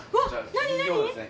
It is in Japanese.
何何？